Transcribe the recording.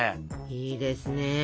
いいですね。